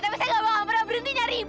tapi saya nggak mau pernah berhenti nyari ibu